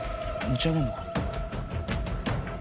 持ち上げるのかな？